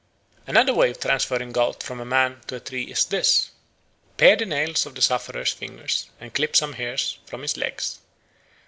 Another way of transferring gout from a man to a tree is this. Pare the nails of the sufferer's fingers and clip some hairs from his legs.